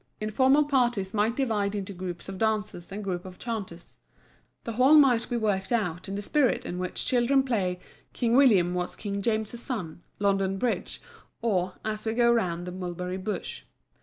Informal parties might divide into groups of dancers and groups of chanters. The whole might be worked out in the spirit in which children play King William was King James' Son, London Bridge, or As We Go Round the Mulberry Bush.